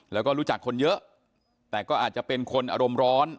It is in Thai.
แล้วก็รู้จักคนเยอะแต่ก็อาจจะเป็นคนอารมณ์ร้อน